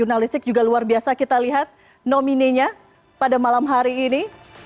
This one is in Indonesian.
jurnalistik juga luar biasa kita lihat nominenya pada malam hari ini